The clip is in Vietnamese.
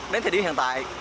đến thời điểm hiện tại